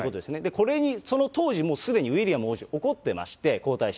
これに、その当時、もうすでにウィリアム王子、怒ってまして、皇太子。